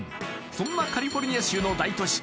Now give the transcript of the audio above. そんなカリフォルニア州の大都市